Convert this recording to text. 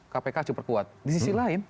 kpk super kuat di sisi lain